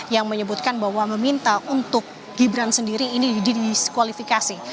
yang menyebutkan bahwa meminta untuk gibran sendiri ini didiskualifikasi